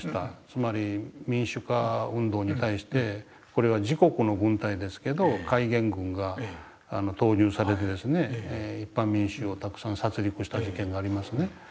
つまり民主化運動に対してこれは自国の軍隊ですけど戒厳軍が投入されて一般民衆をたくさん殺りくした事件がありますね。